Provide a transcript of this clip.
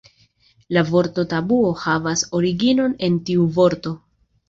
La vorto tabuo havas originon en tiu vorto.